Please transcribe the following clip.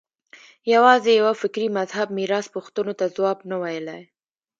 یوازې یوه فکري مذهب میراث پوښتنو ته ځواب نه ویلای